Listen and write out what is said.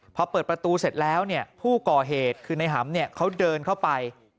พอเปิดประตูเสร็จแล้วผู้ก่อเหตุคือในหำเขาเดินเข้าไป